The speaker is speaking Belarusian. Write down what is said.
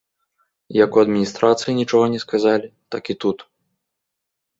Як у адміністрацыі нічога не сказалі, так і тут.